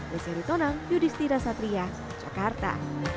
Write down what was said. beseritona yudhistira satria jakarta